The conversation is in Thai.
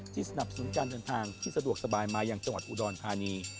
สนับสนุนการเดินทางที่สะดวกสบายมาอย่างจังหวัดอุดรธานี